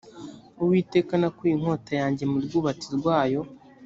uwiteka nakuye inkota yanjye mu rwubati rwayo